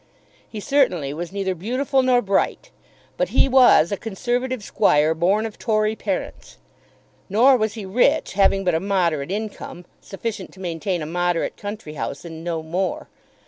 He certainly was neither beautiful nor bright; but he was a Conservative squire born of Tory parents. Nor was he rich, having but a moderate income, sufficient to maintain a moderate country house and no more.